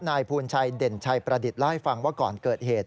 นายภูลชัยเด่นชัยประดิษฐ์เล่าให้ฟังว่าก่อนเกิดเหตุ